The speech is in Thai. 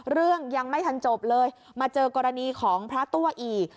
เรื่องยังไม่ทันจบเลยมาเจอกรณีของพระตัวอีก